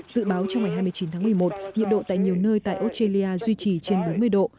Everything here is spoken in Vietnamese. dự báo trong ngày hai mươi chín tháng một mươi một nhiệt độ tại nhiều nơi tại australia duy trì trên bốn mươi độ